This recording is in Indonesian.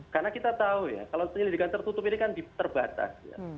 karena kita tahu ya kalau penyelidikan tertutup ini kan terbatas ya